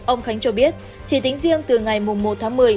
ông khánh cho biết chỉ tính riêng từ ngày một tháng một mươi